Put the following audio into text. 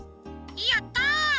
やった！